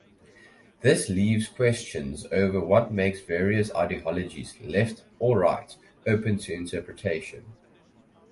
This leaves questions over what makes various ideologies left or right open to interpretation.